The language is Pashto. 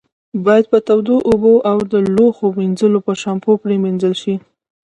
باید په تودو اوبو او د لوښو منځلو په شامپو پرېمنځل شي.